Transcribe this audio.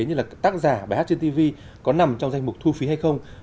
như là tác giả bài hát trên tv có nằm trong danh mục thu phí hay không